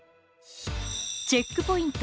チェックポイント